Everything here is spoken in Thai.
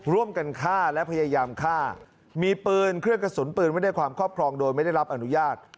ร่วมกันฆ่าและพยายามฆ่ามีปืนเครื่องกระสุนปืนไว้ในความครอบครองโดยไม่ได้รับอนุญาต